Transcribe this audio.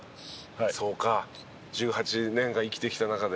そうか１８年間生きてきた中で。